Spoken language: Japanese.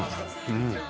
うん！